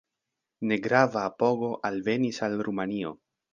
Negrava apogo alvenis el Rumanio.